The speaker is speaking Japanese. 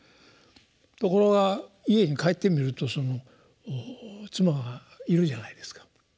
ところが家に帰ってみるとその妻がいるじゃないですか。